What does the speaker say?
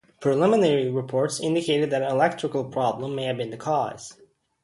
Preliminary reports indicated that an electrical problem may have been the cause.